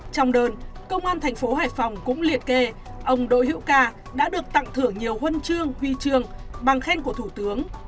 trong đơn công an thành phố hải phòng cũng liệt kê ông đỗ hữu ca đã được tặng thưởng nhiều huân chương huy trường bằng khen của thủ tướng